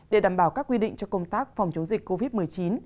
để đảm bảo các quy định cho công tác phòng chống dịch covid một mươi chín